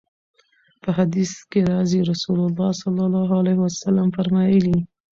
په حديث کي راځي: رسول الله صلی الله عليه وسلم فرمايلي: